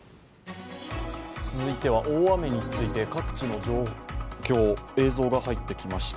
続いては大雨について、各地の状況、映像が入ってきました。